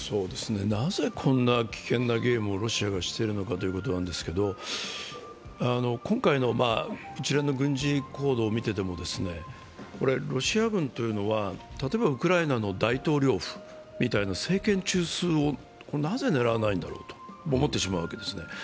なぜこんな危険なゲームをロシアがしてるのかってことですけれども、今回の一連の軍事行動を見ていても、ロシア軍というのは、例えばウクライナの大統領府みたいな政権中枢をなぜ狙わないんだろうと思ってしまうわけですね。